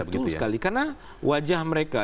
betul sekali karena wajah mereka